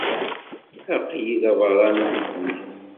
Aql-i d aberrani di ddunit.